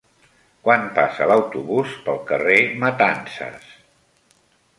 Quan passa l'autobús pel carrer Matanzas?